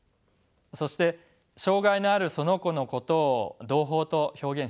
そして障がいのあるその子のことを同胞と表現します。